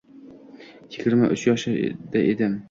Yigirma uch yoshda edim